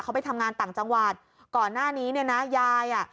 เขาไปทำงานต่างจังหวัดก่อนหน้านี้เนี่ยนะยายอ่ะ